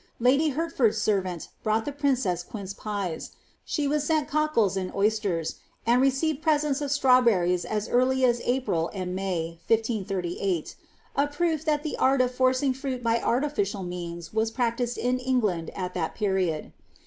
Lady Hertford's ser vant brought the princess quince pies; she was sent cockles and oysters, and received presents of strawberries as early as April and May^ 1538' — Q proof that the art of forcing fruit by artificial means was practised in England at that period.